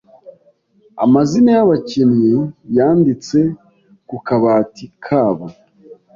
Amazina yabakinnyi yanditse ku kabati kabo.